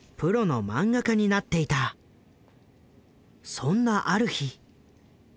そんなある日。